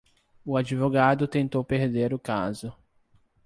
O advogado tentou perder o caso.